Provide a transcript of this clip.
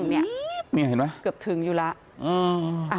นี่เห็นไหมเกือบถึงอยู่แล้ว